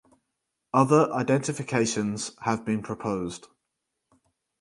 Other identifications have been proposed.